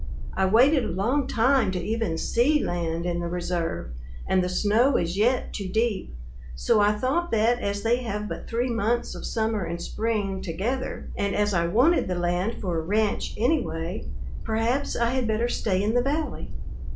I waited a long time to even see land in the reserve, and the snow is yet too deep, so I thought that as they have but three months of summer and spring together and as I wanted the land for a ranch anyway, perhaps I had better stay in the valley.